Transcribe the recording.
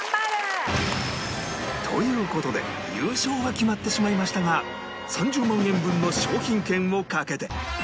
という事で優勝は決まってしまいましたが３０万円分の賞品券をかけて